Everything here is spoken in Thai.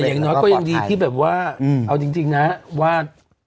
อย่างน้อยก็ยังดีที่แบบว่าเอาจริงนะว่า